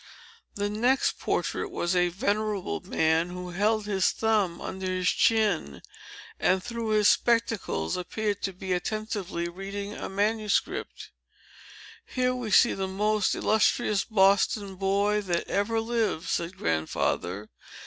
The next portrait was a venerable man, who held his thumb under his chin, and, through his spectacles, appeared to be attentively reading a manuscript. "Here we see the most illustrious Boston boy that ever lived," said Grandfather.